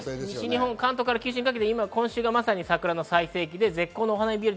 西日本、関東から九州にかけて桜の最盛期で絶好のお花見日和。